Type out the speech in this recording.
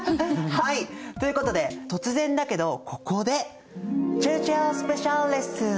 はい！ということで突然だけどここでちぇるちぇるスペシャルレッスン。